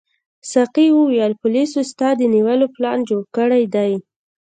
ساقي وویل پولیسو ستا د نیولو پلان جوړ کړی دی.